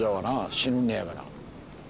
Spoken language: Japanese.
死ぬんやから。